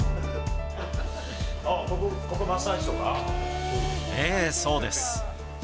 あっ、ここ、マッサージとか？ええ、そうです。